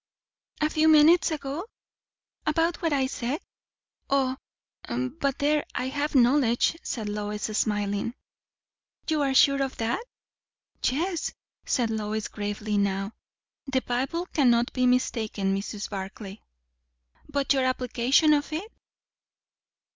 "A few minutes ago? About what I said? O, but there I have knowledge," said Lois, smiling. "You are sure of that?" "Yes," said Lois, gravely now. "The Bible cannot be mistaken, Mrs. Barclay." "But your application of it?"